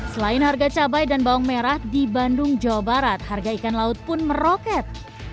selain harga cabai dan bawang merah di bandung jawa barat harga ikan laut pun meroket